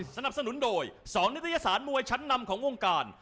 สนับสนุนโดย๒นิตยสารมวยชั้นนำของวงการ